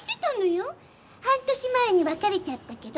半年前に別れちゃったけど。